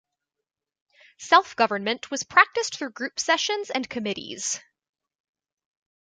Self-government was practiced through group sessions and committees.